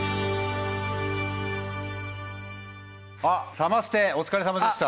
サマステお疲れさまでした。